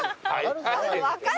分かる。